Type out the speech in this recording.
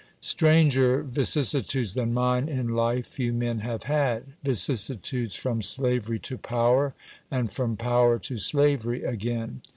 Stranger vicissitudes than mine in life few men have had vicissitudes from slavery to power, and from power to slavery again.